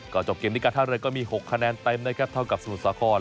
ก็จบเกมที่การท่าเรือก็มี๖คะแนนเต็มนะครับเท่ากับสมุทรสาคร